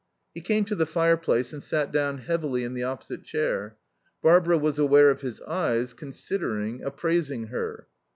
He came to the fireplace and sat down heavily in the opposite chair. Barbara was aware of his eyes, considering, appraising her.